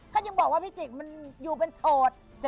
ก็ยังบอกว่าพี่จิกมันอยู่เป็นโสด